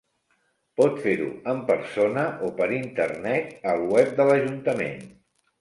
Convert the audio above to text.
Pot fer-ho en persona o per internet, al web de l'ajuntament.